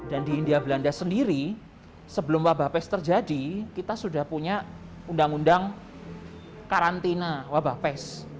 di india belanda sendiri sebelum wabah pes terjadi kita sudah punya undang undang karantina wabah pes